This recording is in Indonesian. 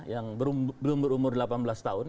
yang belum berumur delapan belas tahun